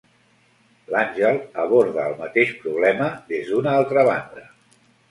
L'Àngel aborda el mateix problema des d'una altra banda.